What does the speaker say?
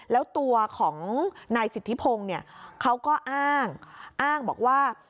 แล้วตัวของนายสิทธิพงศ์เนี่ยเขาก็อ้างอ้างบอกว่า